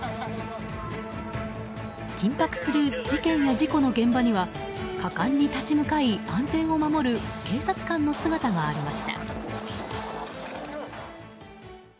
緊迫する事件や事故の現場には果敢に立ち向かい安全を守る警察官の姿がありました。